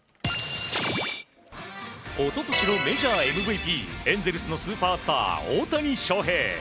一昨年のメジャーＭＶＰエンゼルスのスーパースター大谷翔平。